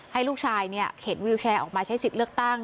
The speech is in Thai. ให้ลูกหลังโรงงานตั้งนี้เข็นวิวแชร์ออกมาใช้สิทธิ์เลือกตั้ง